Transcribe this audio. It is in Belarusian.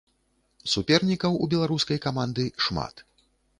Супернікаў у беларускай каманды шмат.